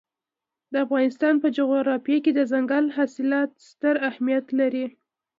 د افغانستان په جغرافیه کې دځنګل حاصلات ستر اهمیت لري.